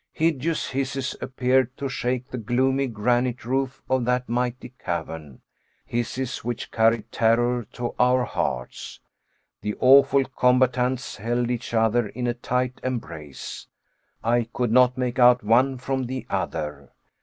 Hideous hisses appeared to shake the gloomy granite roof of that mighty cavern hisses which carried terror to our hearts. The awful combatants held each other in a tight embrace. I could not make out one from the other.